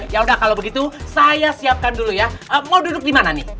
yaudah kalo begitu saya siapkan dulu ya mau duduk dimana nih